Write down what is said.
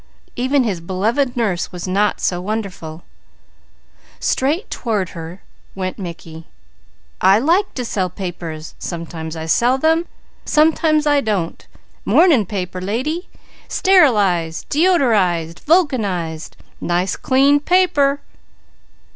Even his beloved nurse was not so wonderful. Straight toward her went Mickey. "I like to sell papers! Sometimes I sell them! Sometimes I don't! Morning paper, lady! Sterilized! Deodorized! Vulcanized! Nice clean paper!"